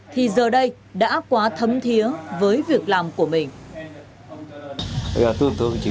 thì giờ đây đã quá thấm thiế với việc làm của mình